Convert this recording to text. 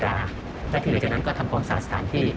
และทีเรียกจากนั้นก็ทำความศาสน์สถานที่